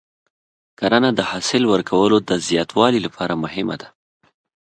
کرنه د حاصل ورکولو د زیاتوالي لپاره مهمه ده.